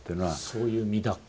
そういう身だから？